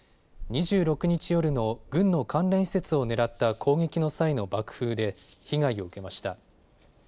２６日夜の軍の関連施設を狙った攻撃の際の爆風で被害を受けました。